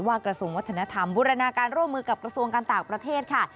กระทรวงวัฒนธรรมบูรณาการร่วมมือกับกระทรวงการต่างประเทศค่ะ